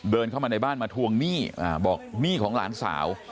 เดินเข้ามาในบ้านมาทวงหนี้บอกหนี้ของหลานสาว